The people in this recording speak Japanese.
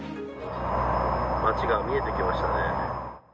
町が見えてきましたね。